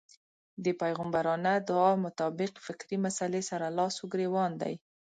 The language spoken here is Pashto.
دې پيغمبرانه دعا مطابق فکري مسئلې سره لاس و ګرېوان دی.